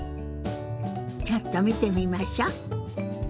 ちょっと見てみましょ。